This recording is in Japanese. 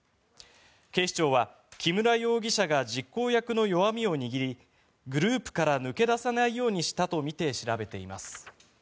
警視庁は木村容疑者が実行役の弱みを握りグループから抜け出さないようにしたとみて調べています。